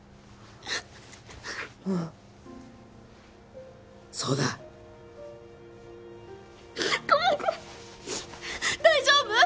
ああそうだ友果大丈夫？